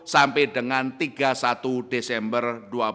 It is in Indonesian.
sampai dengan tiga puluh satu desember dua ribu dua puluh